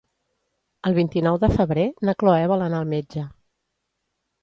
El vint-i-nou de febrer na Cloè vol anar al metge.